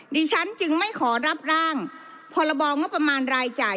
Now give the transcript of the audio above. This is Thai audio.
ดิฉันจึงไม่ขอรับร่างพรบงบประมาณรายจ่าย